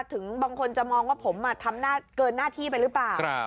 ถึงบางคนจะมองว่าผมทำเกินหน้าที่ไปหรือเปล่า